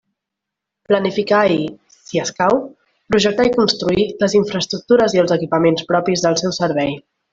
Planificar i, si escau, projectar i construir, les infraestructures i els equipaments propis del seu servei.